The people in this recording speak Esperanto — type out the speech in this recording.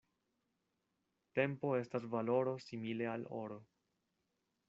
Tempo estas valoro simile al oro.